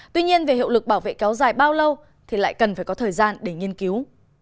tuy nhiên về hiệu lực bảo vệ kéo dài bao lâu thì lại cần phải có thời gian để nghiên cứu